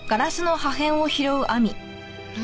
何？